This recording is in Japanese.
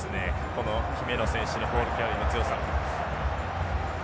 この姫野選手のボールキャリーの強さ。